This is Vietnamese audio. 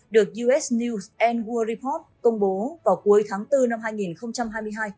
được us news world report công bố vào cuối tháng bốn năm hai nghìn hai mươi hai